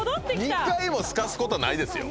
２回もすかすことないですよ。